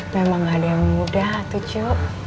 memang gak ada yang mudah tuh cu